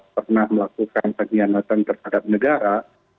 pernah melakukan pengkhianatan terhadap negara